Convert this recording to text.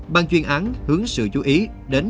băng chuyên án hướng sự chú ý đến